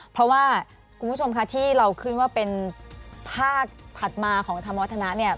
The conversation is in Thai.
เพราะว่าคุณผู้ชมค่ะที่เราขึ้นว่าเป็นภาคถัดมาของธรรมวัฒนะเนี่ย